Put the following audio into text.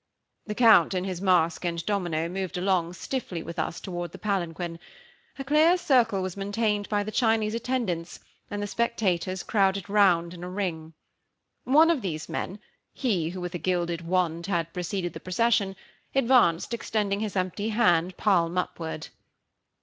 The Count, in his mask and domino, moved along, stiffly, with us, toward the palanquin. A clear circle was maintained by the Chinese attendants, and the spectators crowded round in a ring. One of these men he who with a gilded wand had preceded the procession advanced, extending his empty hand, palm upward.